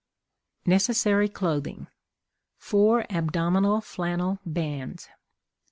Necessary Clothing. 4 Abdominal Flannel Bands.